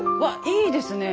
いいですね。